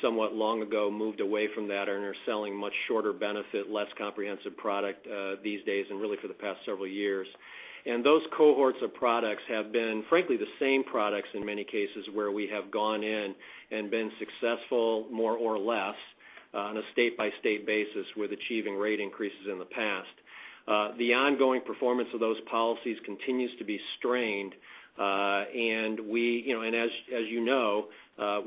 somewhat long ago moved away from that and are selling much shorter benefit, less comprehensive product these days, and really for the past several years. Those cohorts of products have been, frankly, the same products in many cases where we have gone in and been successful, more or less, on a state-by-state basis with achieving rate increases in the past. The ongoing performance of those policies continues to be strained. As you know,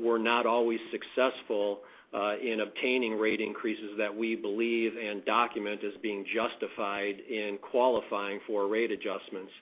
we're not always successful in obtaining rate increases that we believe and document as being justified in qualifying for rate adjustments.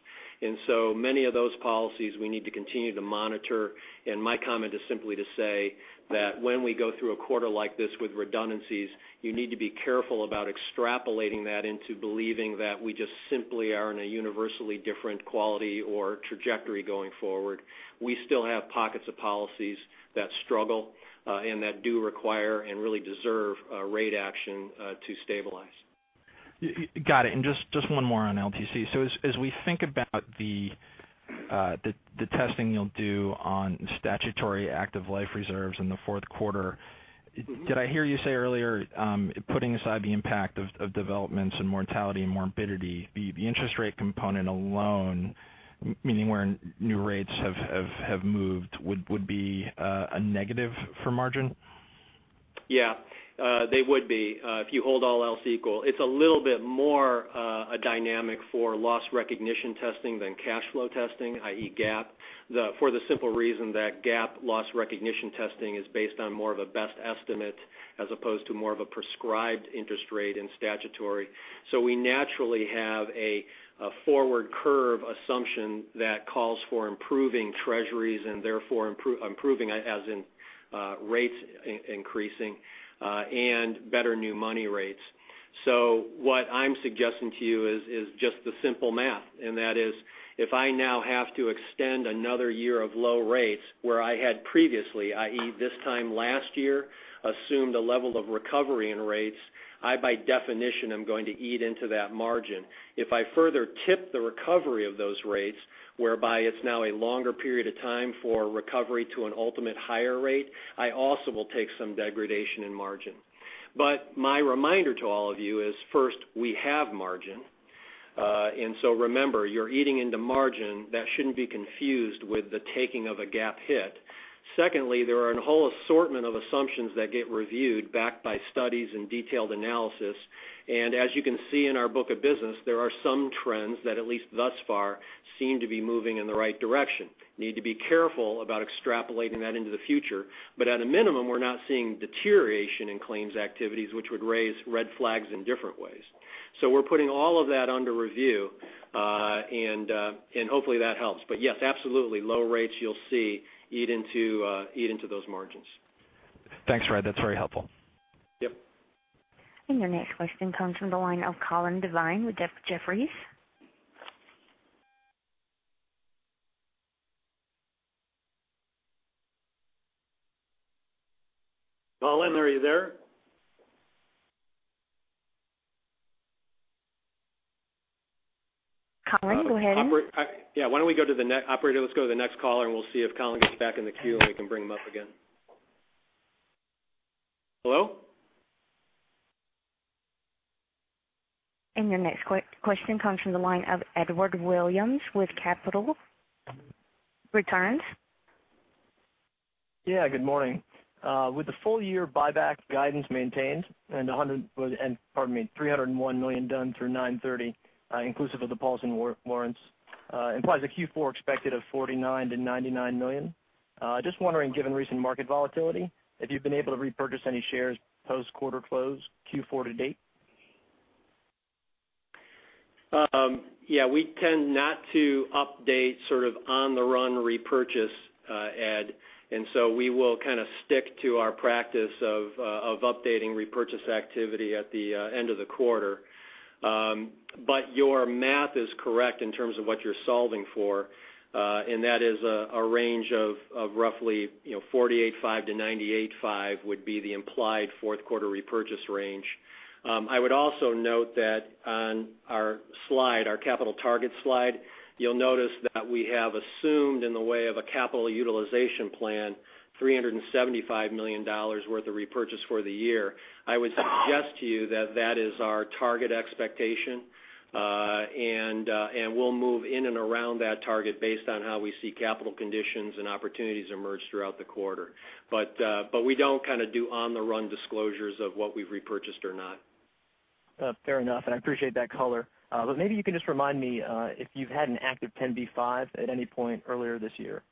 Many of those policies we need to continue to monitor, and my comment is simply to say that when we go through a quarter like this with redundancies, you need to be careful about extrapolating that into believing that we just simply are in a universally different quality or trajectory going forward. We still have pockets of policies that struggle, and that do require and really deserve a rate action to stabilize. Got it. Just one more on LTC. As we think about the testing you'll do on statutory active life reserves in the fourth quarter, did I hear you say earlier, putting aside the impact of developments in mortality and morbidity, the interest rate component alone, meaning where new rates have moved, would be a negative for margin? They would be, if you hold all else equal. It's a little bit more a dynamic for loss recognition testing than cash flow testing, i.e., GAAP, for the simple reason that GAAP loss recognition testing is based on more of a best estimate as opposed to more of a prescribed interest rate in statutory. We naturally have a forward curve assumption that calls for improving treasuries and therefore improving, as in rates increasing, and better new money rates. What I'm suggesting to you is just the simple math, and that is, if I now have to extend another year of low rates where I had previously, i.e., this time last year, assumed a level of recovery in rates, I, by definition, am going to eat into that margin. If I further tip the recovery of those rates, whereby it's now a longer period of time for recovery to an ultimate higher rate, I also will take some degradation in margin. My reminder to all of you is, first, we have margin. Remember, you're eating into margin. That shouldn't be confused with the taking of a GAAP hit. Secondly, there are a whole assortment of assumptions that get reviewed, backed by studies and detailed analysis. As you can see in our book of business, there are some trends that, at least thus far, seem to be moving in the right direction. Need to be careful about extrapolating that into the future. At a minimum, we're not seeing deterioration in claims activities, which would raise red flags in different ways. We're putting all of that under review, and hopefully that helps. Yes, absolutely. Low rates you'll see eat into those margins. Thanks, Fred. That's very helpful. Yep. Your next question comes from the line of Colin Devine with Jefferies. Colin, are you there? Colin, go ahead. Yeah. Operator, let's go to the next caller, and we'll see if Colin gets back in the queue, and we can bring him up again. Hello? Your next question comes from the line of Edward Williams with Capital Returns. Yeah, good morning. With the full year buyback guidance maintained and $301 million done through 9/30, inclusive of the Paulson warrants, implies a Q4 expected of $49 million-$99 million. Just wondering, given recent market volatility, if you've been able to repurchase any shares post quarter close, Q4 to date? We tend not to update sort of on-the-run repurchase, Ed, so we will kind of stick to our practice of updating repurchase activity at the end of the quarter. Your math is correct in terms of what you're solving for. That is a range of roughly $48.5-$98.5 would be the implied fourth quarter repurchase range. I would also note that on our slide, our capital target slide, you'll notice that we have assumed in the way of a capital utilization plan, $375 million worth of repurchase for the year. I would suggest to you that that is our target expectation. We'll move in and around that target based on how we see capital conditions and opportunities emerge throughout the quarter. We don't kind of do on-the-run disclosures of what we've repurchased or not. Fair enough, I appreciate that color. Maybe you can just remind me if you've had an active 10b5 at any point earlier this year.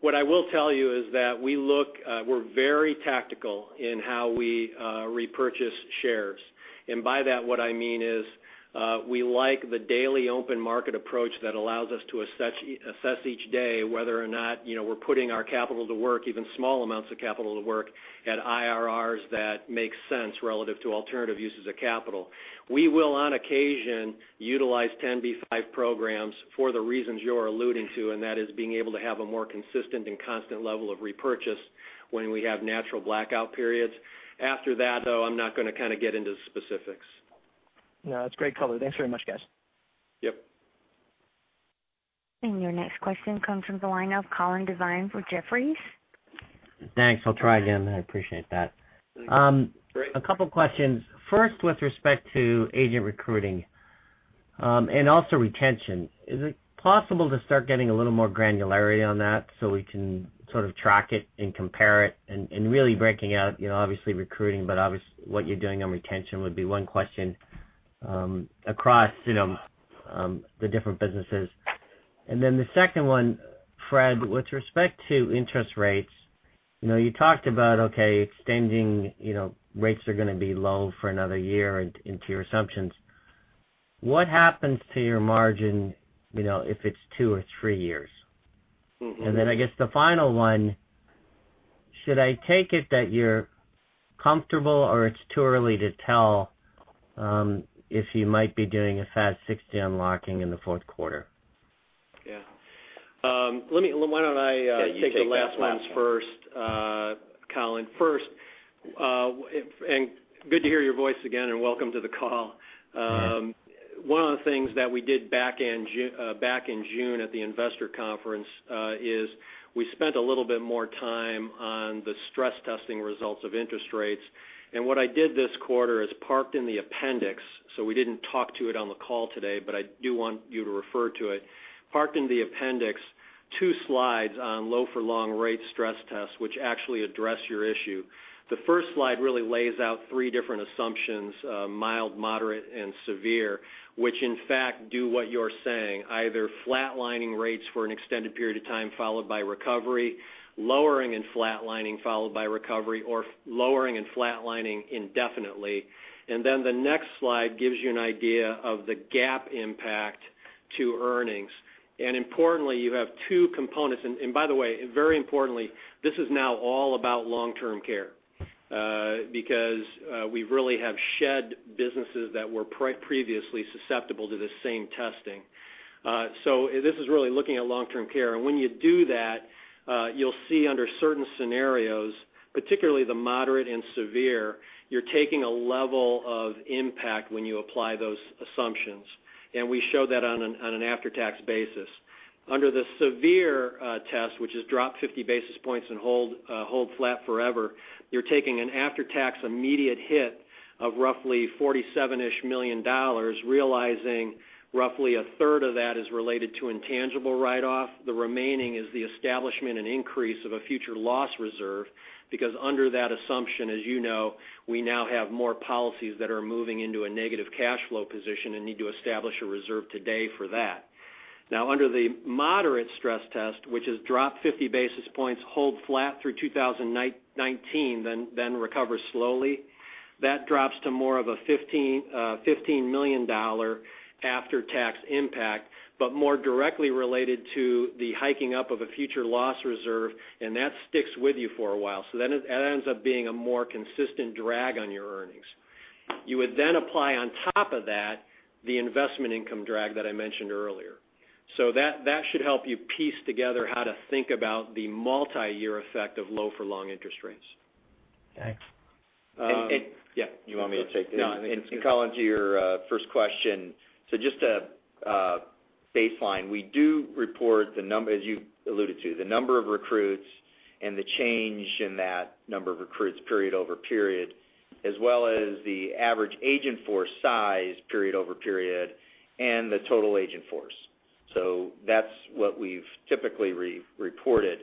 What I will tell you is that we're very tactical in how we repurchase shares. By that, what I mean is, we like the daily open market approach that allows us to assess each day whether or not we're putting our capital to work, even small amounts of capital to work at IRRs that make sense relative to alternative uses of capital. We will, on occasion, utilize 10b5 programs for the reasons you're alluding to, that is being able to have a more consistent and constant level of repurchase when we have natural blackout periods. After that, though, I'm not going to kind of get into specifics. That's great color. Thanks very much, guys. Yep. Your next question comes from the line of Colin Devine with Jefferies. Thanks. I'll try again. I appreciate that. Great. A couple questions. First, with respect to agent recruiting and also retention, is it possible to start getting a little more granularity on that so we can sort of track it and compare it and really breaking out, obviously recruiting, but obvious what you're doing on retention would be one question across the different businesses. The second one, Fred, with respect to interest rates, you talked about extending rates are going to be low for another year into your assumptions. What happens to your margin if it's two or three years? I guess the final one, should I take it that you're comfortable or it's too early to tell if you might be doing a FAS 60 unlocking in the fourth quarter? Yeah. Why don't I take the last ones first, Colin? First, good to hear your voice again, and welcome to the call. Yeah. One of the things that we did back in June at the investor conference, is we spent a little bit more time on the stress testing results of interest rates. What I did this quarter is parked in the appendix. We didn't talk to it on the call today, but I do want you to refer to it. Parked in the appendix Two slides on low for long rate stress tests, which actually address your issue. The first slide really lays out three different assumptions, mild, moderate, and severe, which in fact do what you're saying, either flatlining rates for an extended period of time followed by recovery, lowering and flatlining followed by recovery, or lowering and flatlining indefinitely. The next slide gives you an idea of the GAAP impact to earnings. Importantly, you have two components. By the way, very importantly, this is now all about long-term care, because we've really have shed businesses that were previously susceptible to the same testing. This is really looking at long-term care. When you do that, you'll see under certain scenarios, particularly the moderate and severe, you're taking a level of impact when you apply those assumptions. We show that on an after-tax basis. Under the severe test, which is drop 50 basis points and hold flat forever, you're taking an after-tax immediate hit of roughly $47-ish million, realizing roughly a third of that is related to intangible write-off. The remaining is the establishment and increase of a future loss reserve, because under that assumption, as you know, we now have more policies that are moving into a negative cash flow position and need to establish a reserve today for that. Now, under the moderate stress test, which is drop 50 basis points, hold flat through 2019, then recover slowly, that drops to more of a $15 million after-tax impact, but more directly related to the hiking up of a future loss reserve, and that sticks with you for a while. That ends up being a more consistent drag on your earnings. You would then apply on top of that, the investment income drag that I mentioned earlier. That should help you piece together how to think about the multi-year effect of low-for-long interest rates. Thanks. And- Yeah, you want me to take that? No, Colin, to your first question. Just a baseline, we do report, as you alluded to, the number of recruits and the change in that number of recruits period-over-period, as well as the average agent force size period-over-period, and the total agent force. That's what we've typically reported.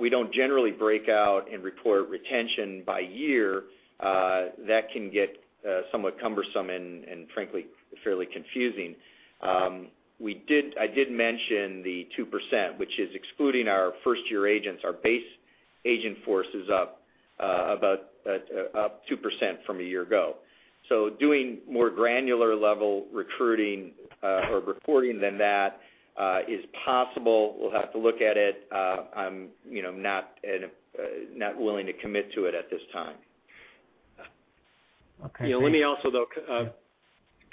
We don't generally break out and report retention by year. That can get somewhat cumbersome and frankly, fairly confusing. I did mention the 2%, which is excluding our first-year agents. Our base agent force is up about 2% from a year ago. Doing more granular level recruiting or reporting than that is possible. We'll have to look at it. I'm not willing to commit to it at this time. Okay.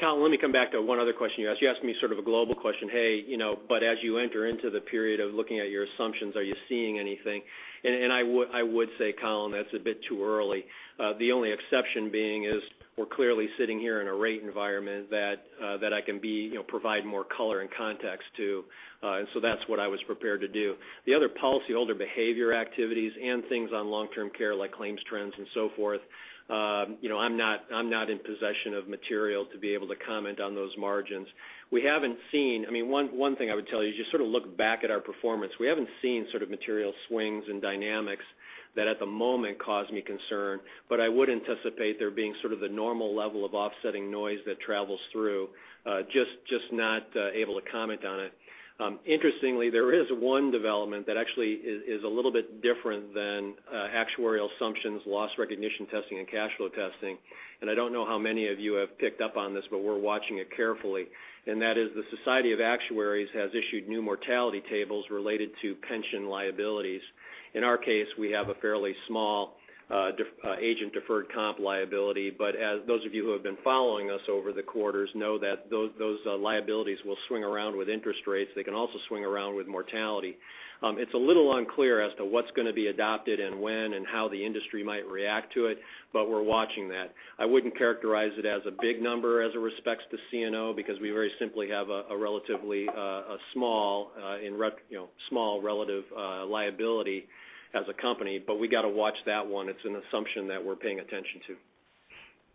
Colin, let me come back to one other question you asked. You asked me sort of a global question, as you enter into the period of looking at your assumptions, are you seeing anything? I would say, Colin, that's a bit too early. The only exception being is we're clearly sitting here in a rate environment that I can provide more color and context to. That's what I was prepared to do. The other policyholder behavior activities and things on long-term care, like claims trends and so forth, I'm not in possession of material to be able to comment on those margins. One thing I would tell you is just sort of look back at our performance. We haven't seen material swings and dynamics that at the moment cause me concern, I would anticipate there being sort of the normal level of offsetting noise that travels through, just not able to comment on it. Interestingly, there is one development that actually is a little bit different than actuarial assumptions, loss recognition testing, and cash flow testing. I don't know how many of you have picked up on this, we're watching it carefully. That is the Society of Actuaries has issued new mortality tables related to pension liabilities. In our case, we have a fairly small agent deferred comp liability. As those of you who have been following us over the quarters know that those liabilities will swing around with interest rates. They can also swing around with mortality. It's a little unclear as to what's going to be adopted and when and how the industry might react to it, we're watching that. I wouldn't characterize it as a big number as it respects to CNO because we very simply have a small relative liability as a company. We got to watch that one. It's an assumption that we're paying attention to.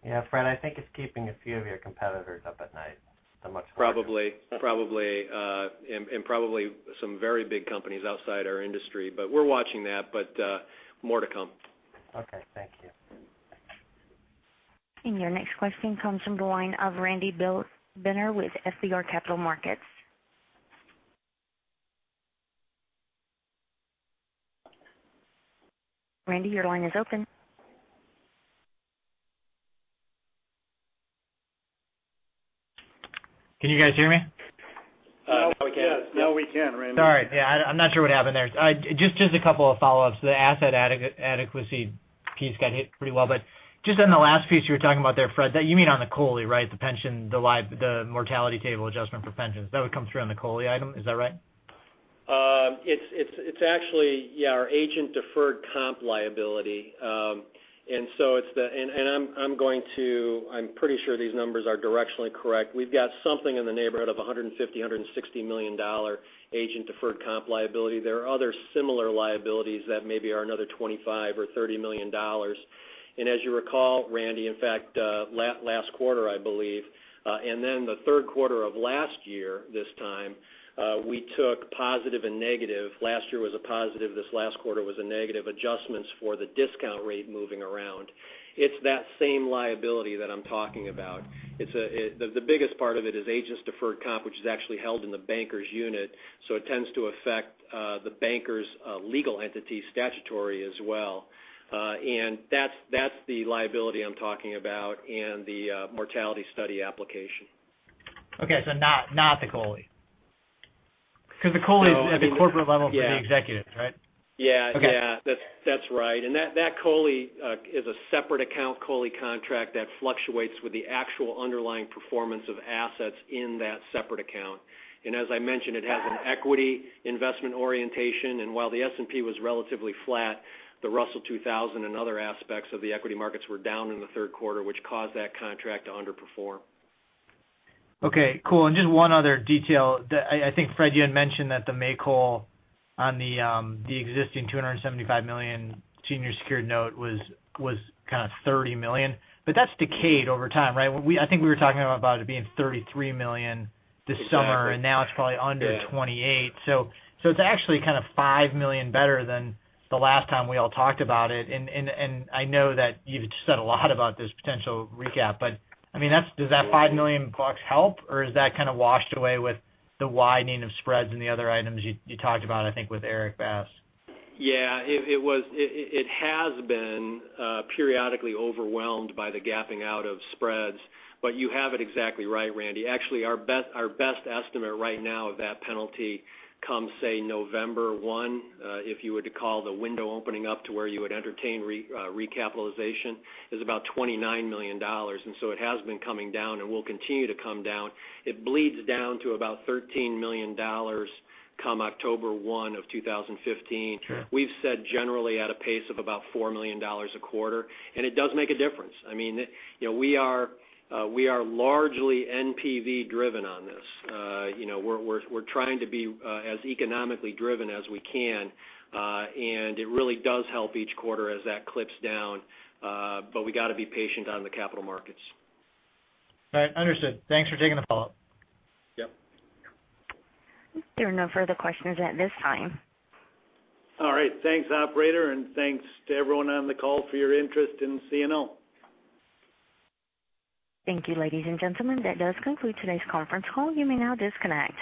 Yeah, Fred, I think it's keeping a few of your competitors up at night. Probably. Probably some very big companies outside our industry. We're watching that, but more to come. Okay. Thank you. Your next question comes from the line of Randy Binner with FBR Capital Markets. Randy, your line is open. Can you guys hear me? Now we can. Yes. Now we can, Randy. Sorry. Yeah, I'm not sure what happened there. Just a couple of follow-ups. The asset adequacy piece got hit pretty well, but just on the last piece you were talking about there, Fred, you mean on the COLI, right? The mortality table adjustment for pensions. That would come through on the COLI item, is that right? It's actually, yeah, our agent deferred comp liability. I'm pretty sure these numbers are directionally correct. We've got something in the neighborhood of $150 million, $160 million agent deferred comp liability. There are other similar liabilities that maybe are another $25 million or $30 million. As you recall, Randy, in fact, last quarter, I believe, then the third quarter of last year this time, we took positive and negative. Last year was a positive, this last quarter was a negative adjustments for the discount rate moving around. It's that same liability that I'm talking about. The biggest part of it is agents deferred comp, which is actually held in the Bankers Life unit, so it tends to affect the Bankers Life's legal entity statutory as well. That's the liability I'm talking about in the mortality study application. Okay, not the COLI? Because the COLI is at the corporate level- Yeah for the executives, right? Yeah. Okay. Yeah. That's right. That COLI is a separate account COLI contract that fluctuates with the actual underlying performance of assets in that separate account. As I mentioned, it has an equity investment orientation, and while the S&P was relatively flat, the Russell 2000 and other aspects of the equity markets were down in the third quarter, which caused that contract to underperform. Okay, cool. Just one other detail that I think, Fred, you had mentioned that the make-whole on the existing $275 million senior secured note was kind of $30 million. That's decayed over time, right? I think we were talking about it being $33 million this summer. Exactly. Now it's probably under- Yeah 28. It's actually kind of $5 million better than the last time we all talked about it. I know that you've said a lot about this potential recap, but does that $5 million help, or is that kind of washed away with the widening of spreads and the other items you talked about, I think, with Erik Bass? Yeah. It has been periodically overwhelmed by the gapping out of spreads. You have it exactly right, Randy. Actually, our best estimate right now of that penalty come, say, November 1, if you were to call the window opening up to where you would entertain recapitalization, is about $29 million. It has been coming down and will continue to come down. It bleeds down to about $13 million come October 1 of 2015. Sure. We've said generally at a pace of about $4 million a quarter, it does make a difference. We are largely NPV driven on this. We're trying to be as economically driven as we can. It really does help each quarter as that clips down. We got to be patient on the capital markets. All right. Understood. Thanks for taking the follow-up. Yep. There are no further questions at this time. All right. Thanks, operator, and thanks to everyone on the call for your interest in CNO. Thank you, ladies and gentlemen. That does conclude today's conference call. You may now disconnect.